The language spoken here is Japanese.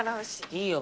いいよ